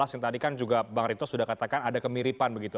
yang tadi kan juga bang rito sudah katakan ada kemiripan begitu